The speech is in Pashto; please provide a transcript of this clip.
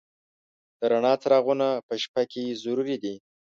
د رڼا څراغونه په شپه کې ضروري دي.